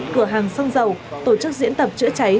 cửa hàng xăng dầu tổ chức diễn tập chữa cháy